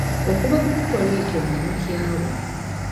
Okuva ku kikolwa ekyo namukyawa.